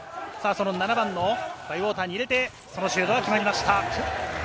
７番のバイウォーターに入れて、シュートが決まりました。